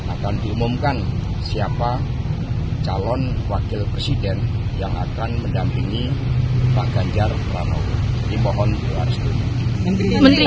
akan diumumkan siapa calon wakil presiden yang akan mendampingi pak ganjar pranowo di pohon itu